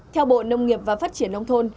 theo bộ nông nghiệp và phát triển nông thôn